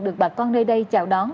được bà con nơi đây chào đón